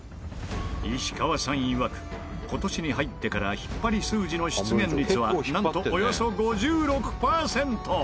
石川さんいわく今年に入ってから引っ張り数字の出現率はなんとおよそ５６パーセント！